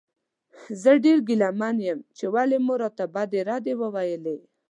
زه ډېر ګیله من یم چې ولې مو راته بدې ردې وویلې.